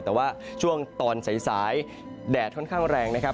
แต่ว่าช่วงตอนสายแดดค่อนข้างแรงนะครับ